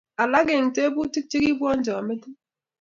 Alak eng teputiik chekibwoncho metit.